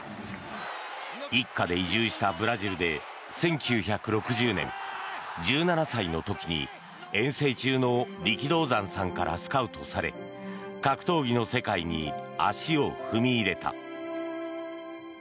一家で移住したブラジルで１９６０年１７歳の時に、遠征中の力道山さんからスカウトされ格闘技の世界に足を踏み入れた。